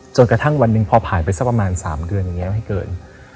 จนกระทั่งวันหนึ่งพอผ่านไปสักประมาณ๓เดือนอย่างนี้ไม่เกิน